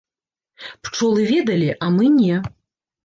Пчолы ведалі, а мы не.